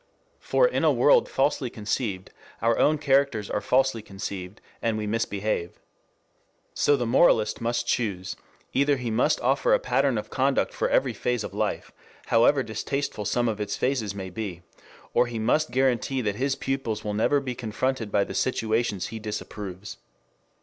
For in a world falsely conceived, our own characters are falsely conceived, and we misbehave. So the moralist must choose: either he must offer a pattern of conduct for every phase of life, however distasteful some of its phases may be, or he must guarantee that his pupils will never be confronted by the situations he disapproves.